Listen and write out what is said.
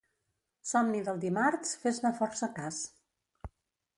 Somni del dimarts, fes-ne força cas.